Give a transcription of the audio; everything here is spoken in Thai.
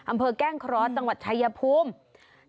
อำเภอกแก้งคลอสจังหวัดชายภูมิ